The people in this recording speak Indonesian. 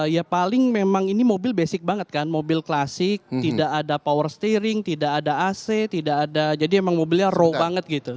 ya paling memang ini mobil basic banget kan mobil klasik tidak ada power steering tidak ada ac tidak ada jadi emang mobilnya row banget gitu